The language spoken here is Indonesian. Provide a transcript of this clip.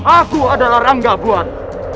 aku adalah ranggabuan